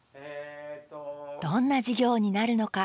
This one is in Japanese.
どんな授業になるのか